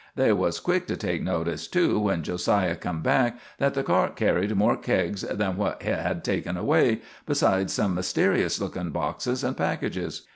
They was quick to take notice, too, when Jo siah come back, that the cart carried more kegs than what hit had taken away, besides some mysterious lookin' boxes and packages.